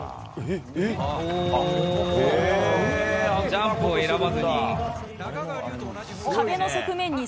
ジャンプを選ばずに。